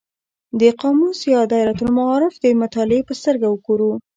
د قاموس یا دایرة المعارف د مطالعې په سترګه وګورو.